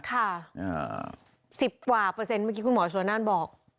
๑๐กว่าเปอร์เซ็นเมื่อกี้คุณหมอชนนั่นบอก